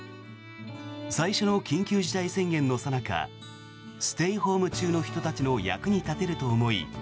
最初の緊急事態宣言のさなかステイホーム中の人たちの役に立てると思い